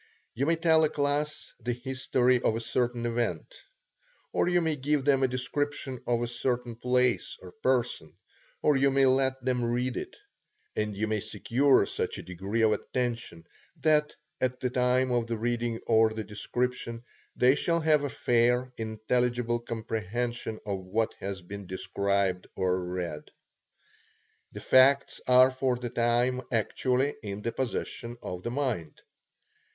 You may tell a class the history of a certain event; or you may give them a description of a certain place or person; or you may let them read it; and you may secure such a degree of attention, that, at the time of the reading or the description, they shall have a fair, intelligible comprehension of what has been described or read. The facts are for the time actually in the possession of the mind.